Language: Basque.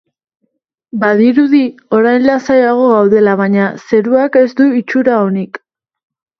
Badirudi orain lasaiago gaudela baina zeruak ez du itxura onik.